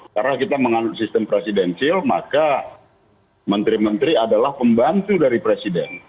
karena kita mengandung sistem presidencil maka menteri menteri adalah pembantu dari presiden